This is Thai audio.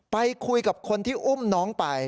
ไปคุยกับคนที่อุ้มน้องไป